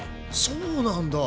そうなんだ。